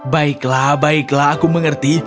baiklah baiklah aku mengerti